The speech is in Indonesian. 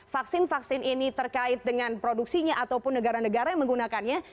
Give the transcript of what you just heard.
vaksin vaksin ini terkait dengan produksinya ataupun negara negara yang menggunakannya